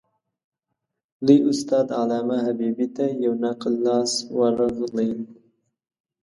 لوی استاد علامه حبیبي ته یو نقل لاس ورغلی.